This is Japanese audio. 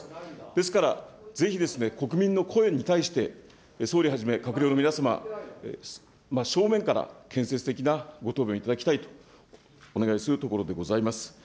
ですから、ぜひ国民の声に対して、総理はじめ閣僚の皆様、正面から建設的なご答弁をいただきたいとお願いするところでございます。